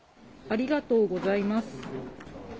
ありがとうございます。